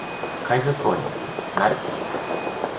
海賊王になる